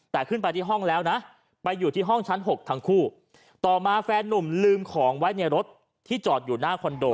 แต่ขึ้นไปที่ห้องแล้วนะไปอยู่ที่ห้องชั้น๖ทั้งคู่ต่อมาแฟนนุ่มลืมของไว้ในรถที่จอดอยู่หน้าคอนโด